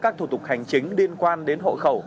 các thủ tục hành chính liên quan đến hộ khẩu